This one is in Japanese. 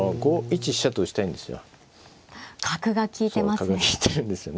角が利いてるんですよね。